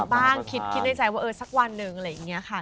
บ้างคิดในใจว่าเออสักวันหนึ่งอะไรอย่างนี้ค่ะ